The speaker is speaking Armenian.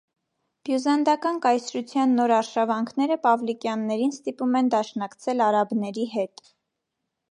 Բյուզանդական կայսրության նոր արշավանքները պավլիկյաններին ստիպում են դաշնակցել արաբների հետ։